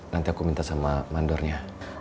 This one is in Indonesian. nanti aku minta sama mandornya